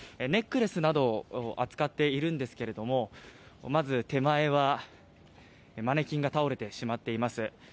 ネックレスなどを扱っているんですけれどもまず手前は、マネキンが倒れてしまっています。